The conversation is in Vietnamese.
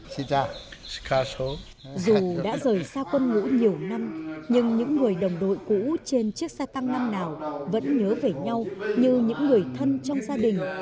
dù đã rời xa quân ngũ nhiều năm nhưng những người đồng đội cũ trên chiếc xe tăng năm nào vẫn nhớ về nhau như những người thân trong gia đình